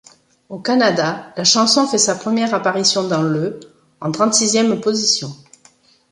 Au Canada, la chanson fait sa première apparition dans le en trente-sixième position.